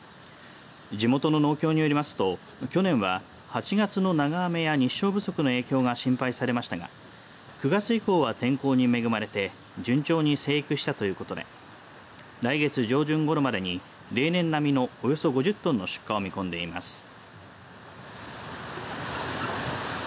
地元の農協によりますと去年は８月の長雨や日照不足の影響が心配されましたが９月以降は、天候に恵まれて順調に生育したということで来月上旬ごろまでに例年並みの、およそ５０トンの出荷を見込んでいます。